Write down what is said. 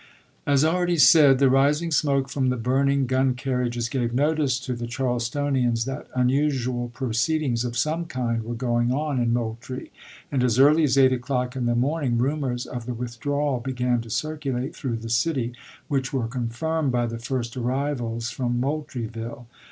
As already said, the rising smoke from the burn ing gun carriages gave notice to the Charlestonians that unusual proceedings of some kind were going on in Moultrie, and as early as 8 o'clock in the morn ing rumors of the withdrawal began to circulate through the city, which were confirmed by the first arrivals from Moid trie ville.